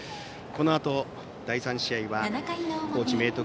このあと第３試合は高知・明徳